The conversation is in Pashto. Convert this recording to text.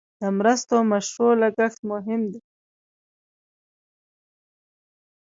د مرستو مشروع لګښت مهم دی.